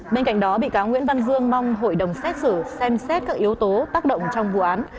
bên cạnh đó bị cáo nguyễn văn dương mong hội đồng xét xử xem xét các yếu tố tác động trong vụ án